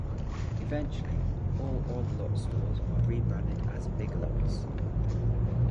Eventually, all Odd Lots stores were rebranded as Big Lots.